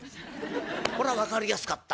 「こりゃ分かりやすかった。